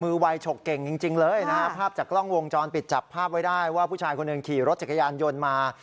วัยฉกเก่งจริงเลยนะฮะภาพจากกล้องวงจรปิดจับภาพไว้ได้ว่าผู้ชายคนหนึ่งขี่รถจักรยานยนต์มา